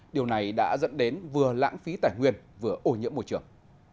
điều này đã dẫn đến vừa lãng phí tài nguyên vừa ô nhiễm môi trường